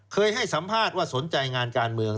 เคยให้สัมภาษณ์ว่าสนใจงานการเมือง